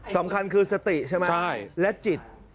สำคัญคือสติใช่ไหมและจิต